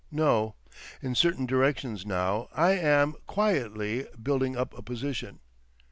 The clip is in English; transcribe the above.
No.... In certain directions now—I am—quietly—building up a position.